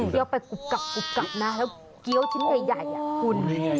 เอาไปกุบกับแล้วเกี้ยวชิ้นใหญ่คุณ